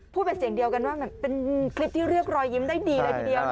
เป็นเสียงเดียวกันว่าเป็นคลิปที่เรียกรอยยิ้มได้ดีเลยทีเดียว